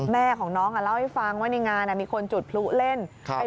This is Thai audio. แม่ของน้องเล่าให้ฟังว่าในงานมีคนจุดพลุเล่น